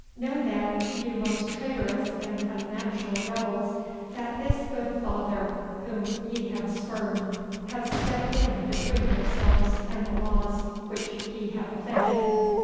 Know, then, you most traitorous and unnatural rebels, that this good father whom ye have spurned has stepped in between yourselves and the laws which ye have offended.